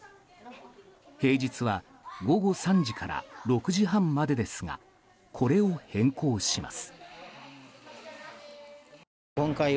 平日は午後３時から６時半までですがこれを変更します。